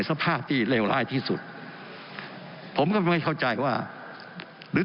เสียงนายกก็เหนื่อย